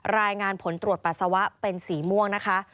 รายงานผลตรวจปัสสาวะเป็นสีม่วงนะคะ